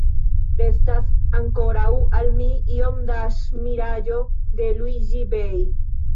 Restas ankoraŭ al mi iom da ŝmiraĵo de Luiĝi-bej.